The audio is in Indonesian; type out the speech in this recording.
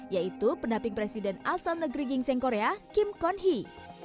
yaitu pendamping presiden asal negeri gingseng korea kim kon hee